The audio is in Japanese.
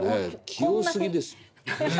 器用すぎですよ。